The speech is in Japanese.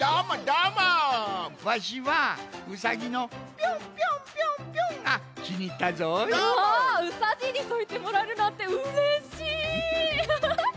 うわあうさじいにそういってもらえるなんてうれしい！